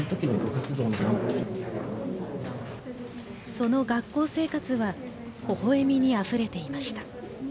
その学校生活はほほえみにあふれていました。